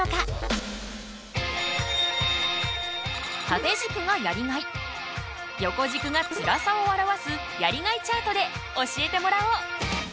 縦軸がやりがい横軸がつらさを表すやりがいチャートで教えてもらおう。